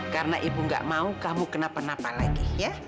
karena ibu gak mau kamu kena penapa lagi